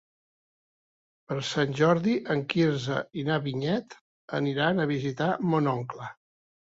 Per Sant Jordi en Quirze i na Vinyet aniran a visitar mon oncle.